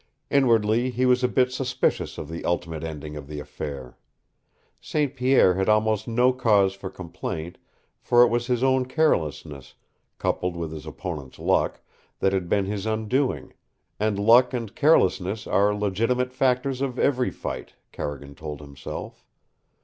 Inwardly he was a bit suspicious of the ultimate ending of the affair. St. Pierre had almost no cause for complaint, for it was his own carelessness, coupled with his opponent's luck, that had been his undoing and luck and carelessness are legitimate factors of every fight, Carrigan told himself.